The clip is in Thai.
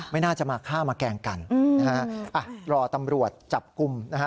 ไม่น่าจะมาฆ่ามาแกล้งกันนะฮะอ่ะรอตำรวจจับกลุ่มนะฮะ